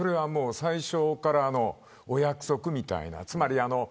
最初からお約束みたいな。